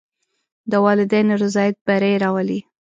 د والدینو رضایت بری راولي.